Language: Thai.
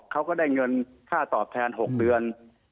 เขาก็ได้เงินค่าตอบแทน๖เดือน